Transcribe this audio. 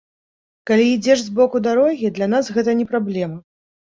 Калі ідзеш збоку дарогі, для нас гэта не праблема.